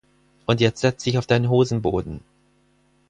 Und jetzt setz dich auf deinen Hosenboden!